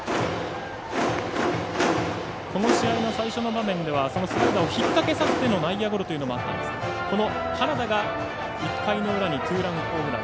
この試合の最初の場面ではスライダーを引っ掛けさせての内野ゴロもあったんですが花田が１回の裏にツーランホームラン。